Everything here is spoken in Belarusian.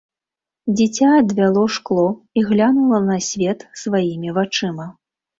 Дзіця адвяло шкло і глянула на свет сваімі вачыма.